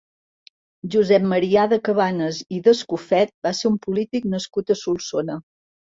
Josep Marià de Cabanes i d'Escofet va ser un polític nascut a Solsona.